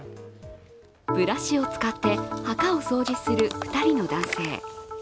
ブラシを使って墓を掃除する２人の男性。